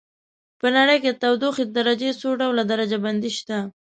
په نړۍ کې د تودوخې د درجې څو ډول درجه بندي شته.